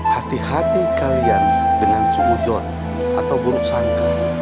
hati hati kalian dengan suuzon atau buruk sangka